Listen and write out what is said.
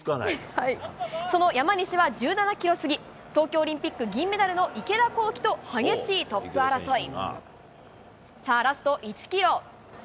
その山西は１７キロ過ぎ、東京オリンピック銀メダルの池田向希と激しいトップ争い。